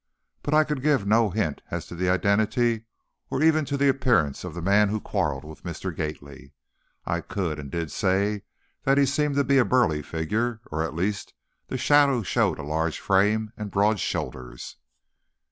But I could give no hint as to the identity, or even as to the appearance of the man who quarreled with Mr. Gately. I could, and did say that he seemed to be a burly figure, or, at least, the shadow showed a large frame and broad shoulders.